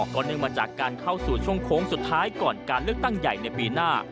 ก็เนื่องมาจากการเข้าสู่ช่วงโค้งสุดท้ายก่อนการเลือกตั้งใหญ่ในปีหน้า